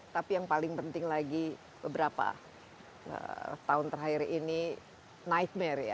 tapi yang paling penting lagi beberapa tahun terakhir ini nightmare ya